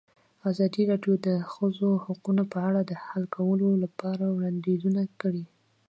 ازادي راډیو د د ښځو حقونه په اړه د حل کولو لپاره وړاندیزونه کړي.